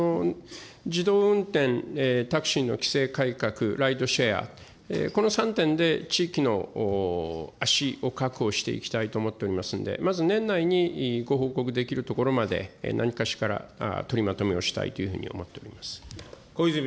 自動運転、タクシーの規制改革、ライドシェア、この３点で地域の足を確保していきたいと思っておりますんで、まず年内にご報告できるところまで、何かしからご報告をしたいと思っております。